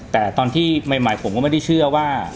แต่ตอนที่ใหม่ผมก็ไม่ได้เชื่อว่า